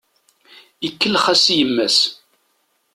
Ikellex-as i yemma-s.